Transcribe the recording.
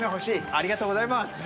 ありがとうございます。